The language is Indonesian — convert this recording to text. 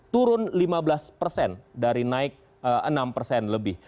turun lima belas persen dari naik enam persen lebih